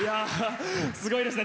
すごいですね。